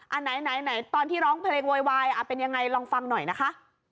อันไหนตอนที่ร้องเพลงโวยวายเป็นยังไงลองฟังหน่อยนะคะ